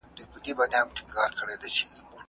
په ښه نوم او درناوي.